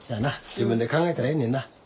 自分で考えたらええねんな。